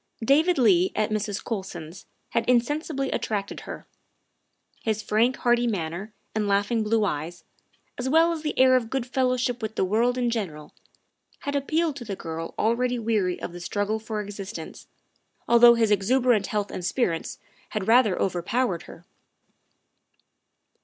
David Leigh at Mrs. Colson's had insensibly at tracted her. His frank, hearty manner and laughing blue eyes, as well as the air of good fellowship with the world in general, had appealed to the girl already weary of the struggle for existence, although his exuberant health and spirits had rather overpowered her.